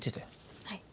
はい。